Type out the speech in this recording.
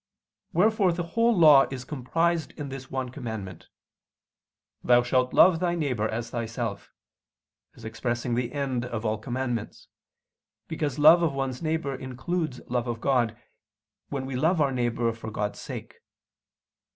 Wherefore the whole Law is comprised in this one commandment, "Thou shalt love thy neighbor as thyself," as expressing the end of all commandments: because love of one's neighbor includes love of God, when we love our neighbor for God's sake.